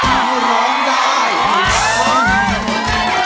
ร้องได้ให้ร้าน